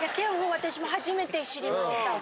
私も初めて知りました。